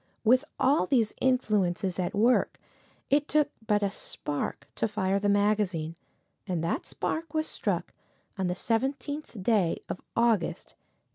With all these influences at work, it took but a spark to fire the magazine, and that spark was struck on the seventeenth day of August, 1862.